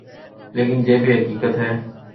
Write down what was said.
لیکن یہ بھی حقیقت ہے۔